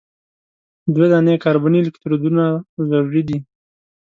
دوه دانې کاربني الکترودونه ضروري دي.